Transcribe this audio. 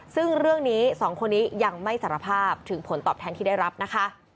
ซึ่งเรื่องนี้สองคนนี้ยังไม่สารภาพถึงผลตอบแทนที่ได้รับนะคะ